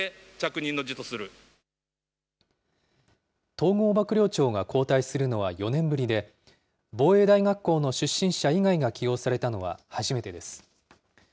統合幕僚長が交代するのは４年ぶりで、防衛大学校の出身者以外が起用されたのは初めてです。